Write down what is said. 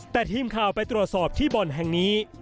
แต่ทีมข่าวไปตรวจสอบที่บ่อนแห่งนี้